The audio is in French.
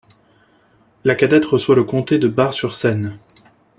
La cadette reçoit le comté de Bar-sur-Seine.